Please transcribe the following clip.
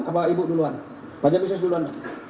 atau ibu duluan pak javisus duluan